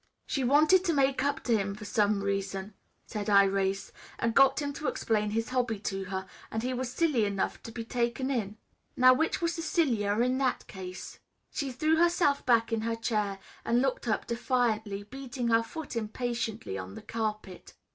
"She wanted to make up to him for some reason," said Irais, "and got him to explain his hobby to her, and he was silly enough to be taken in. Now which was the sillier in that case?" She threw herself back in her chair and looked up defiantly, beating her foot impatiently on the carpet.